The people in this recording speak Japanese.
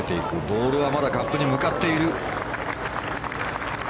ボールはまだカップに向かっている。